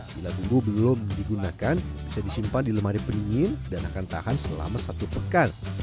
bila bumbu belum digunakan bisa disimpan di lemari pendingin dan akan tahan selama satu pekan